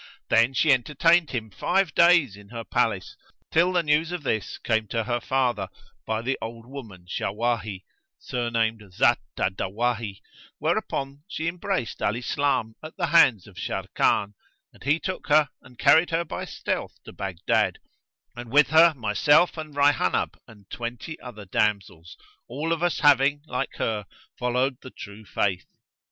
Then she entertained him five days in her palace, till the news of this came to her father, by the old woman Shawahi, surnamed Zat al Dawahi, whereupon she embraced Al Islam at the hands of Sharrkan, and he took her and carried her by stealth to Baghdad, and with her myself and Rayhánab and twenty other damsels, all of us having, like her, followed the True Faith.